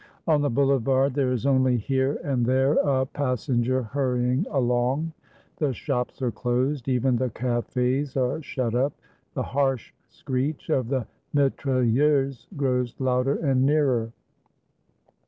On the Boulevard there is only here and there a pas senger hurrying along. The shops are closed; even the cafes are shut up; the harsh screech of the mitrailleuse grows louder and nearer.